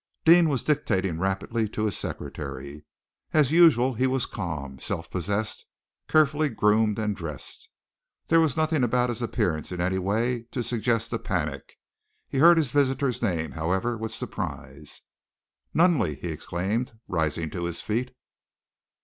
Deane was dictating rapidly to his secretary. As usual he was calm, self possessed, carefully groomed and dressed. There was nothing about his appearance in any way to suggest a panic. He heard his visitor's name, however, with surprise. "Nunneley!" he exclaimed, rising to his feet.